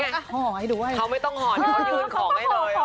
เขาไม่ต้องหอเค้ายืนของให้ด้วย